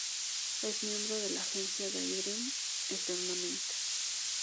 Es miembro de la agencia "Daydream Entertainment".